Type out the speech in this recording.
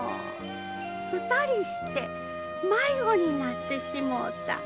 二人して迷子になってしもうた。